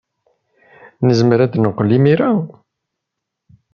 Nezmer ad neqqel imir-a?